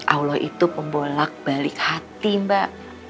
allah itu pembolak balik hati mbak